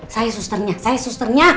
saya susternya saya susternya